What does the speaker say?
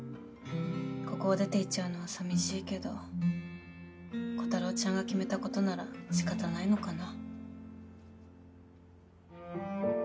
ここを出ていっちゃうのは寂しいけどコタローちゃんが決めた事なら仕方ないのかな。